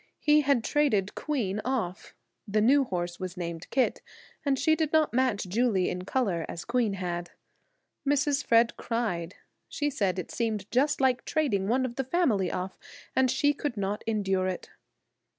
He had traded Queen off. The new horse was named Kit, and she did not match Julie in color as Queen had. Mrs. Fred cried. She said it seemed just like trading one of the family off, and she could not endure it.